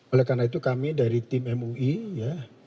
oleh karena itu kami dari tim mui ya